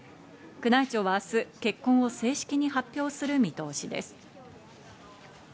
宮内庁は明日結婚を正式に発表する見通しです。